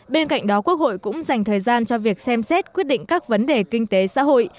bên cạnh đó quốc hội cũng dành thời gian cho việc xem xét quyết định các vấn đề kinh tế xã hội